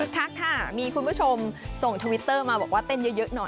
คักค่ะมีคุณผู้ชมส่งทวิตเตอร์มาบอกว่าเต้นเยอะหน่อย